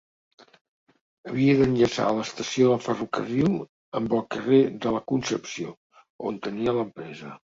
Havia d'enllaçar l'estació del ferrocarril amb el carrer de la Concepció, on tenia l'empresa.